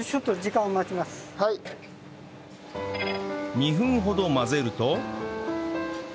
２分ほど混ぜると